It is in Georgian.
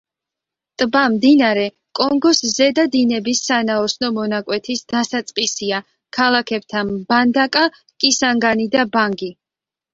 ტბა მდინარე კონგოს ზედა დინების სანაოსნო მონაკვეთის დასაწყისია ქალაქებთან მბანდაკა, კისანგანი და ბანგი.